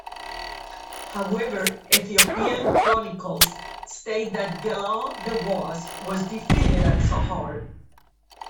However, Ethiopian chronicles state that Gelawdewos was defeated at Sahart.